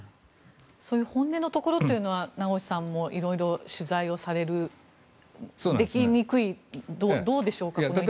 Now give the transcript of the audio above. そういう本音のところというのは名越さんも色々取材されるできにくいどうでしょうか、この１年で。